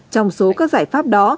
trong số các giải pháp đó